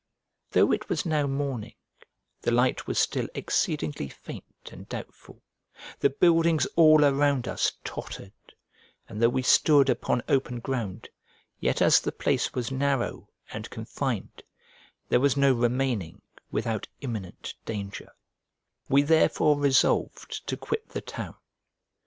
Though it was now morning, the light was still exceedingly faint and doubtful; the buildings all around us tottered, and though we stood upon open ground, yet as the place was narrow and confined, there was no remaining without imminent danger: we therefore resolved to quit the town.